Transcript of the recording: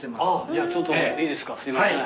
じゃあちょっといいですか？すいません。